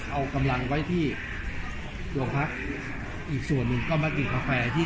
เอากำลังไว้ที่โรงพักอีกส่วนหนึ่งก็มาติดกาแฟที่